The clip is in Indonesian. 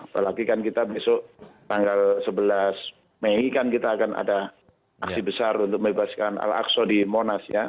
apalagi kan kita besok tanggal sebelas mei kan kita akan ada aksi besar untuk membebaskan al aqsa di monas ya